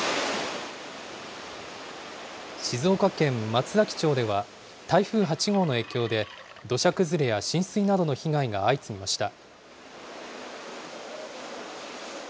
静岡県松崎町では、台風８号の影響で、土砂崩れや浸水などの被害が相次ぎました。